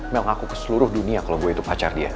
mel ngaku ke seluruh dunia kalau boleh